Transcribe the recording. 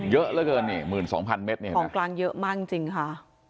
เยอะเหลือเกินหมื่นสองพันเมตรผ่องกลางเยอะมากจริงค่ะ